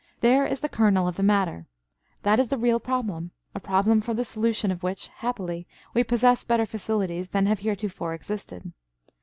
There is the kernel of the matter; that is the real problem, a problem for the solution of which, happily, we possess better facilities than have heretofore existed.